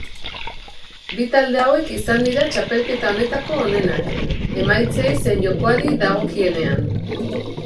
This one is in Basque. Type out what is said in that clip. Bi talde hauek izan dira txapelketa honetako onenak, emaitzei zein jokoari dagokienean.